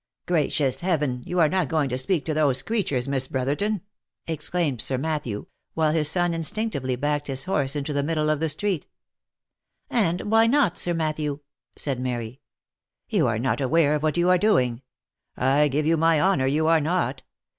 " Gracious Heaven ! you are not going to speak to those creatures, Miss Brotherton V* exclaimed Sir Matthew, while his son instinctively backed his horse into the middle of the street. " And why not, Sir Matthew?" said Mary. " You are not aware of what you are doing; I give you my honour you are not.